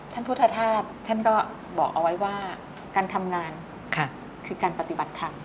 ท่านพุทธธาตุท่านก็บอกเอาไว้ว่าการทำงานคือการปฏิบัติธรรม